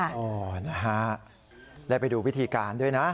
เออนะฮะได้ไปดูวิธีการด้วยนะ